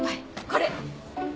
これ！